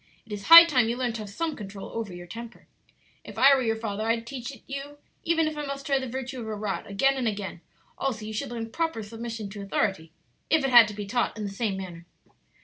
"It is high time you learned to have some control over your temper. If I were your father I'd teach it you, even if I must try the virtue of a rod again and again; also you should learn proper submission to authority, if it had to be taught in the same manner."